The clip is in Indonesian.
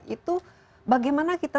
itu bagaimana kita